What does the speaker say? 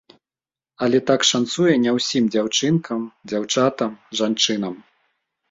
Але так шанцуе не ўсім дзяўчынкам, дзяўчатам, жанчынам.